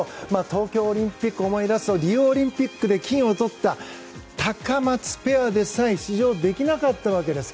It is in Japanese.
東京オリンピックを思い出すとリオオリンピックで金をとったタカマツペアでさえ出場できなかったわけです。